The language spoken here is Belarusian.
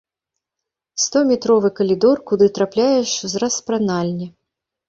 Стометровы калідор, куды трапляеш з распранальні.